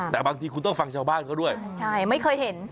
แต่บางทีคุณต้องฟังชาวบ้านเขาด้วยใช่ไม่เคยเห็น